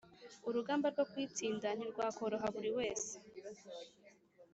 Urugamba rwo kuyitsinda ntirwakoroha buri wese